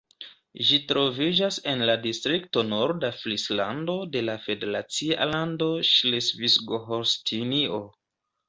Ĝi troviĝas en la distrikto Norda Frislando de la federacia lando Ŝlesvigo-Holstinio.